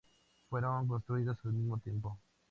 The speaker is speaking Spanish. Fueron construidas al mismo tiempo.